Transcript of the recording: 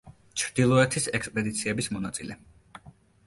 ჩრდილოეთის ექსპედიციების მონაწილე.